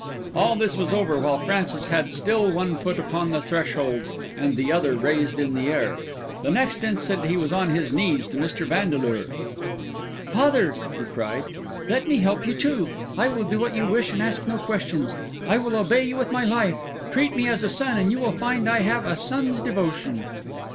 All this was over while Francis had still one foot upon the threshold, and the other raised in air. The next instant he was on his knees to Mr. Vandeleur. "Father!" he cried. "Let me too help you. I will do what you wish and ask no questions; I will obey you with my life; treat me as a son, and you will find I have a son's devotion."